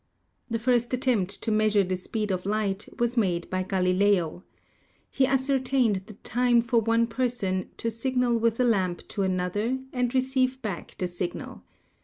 The first attempt to measure the speed of light was made by Galileo. He ascertained the time for one person to signal with a lamp to another and receive back the signal.